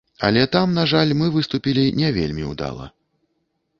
Але там, на жаль, мы выступілі не вельмі ўдала.